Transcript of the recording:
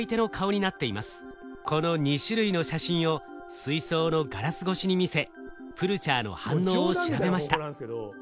この２種類の写真を水槽のガラス越しに見せプルチャーの反応を調べました。